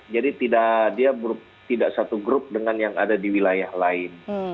jadi dia tidak satu grup dengan yang ada di wilayah lain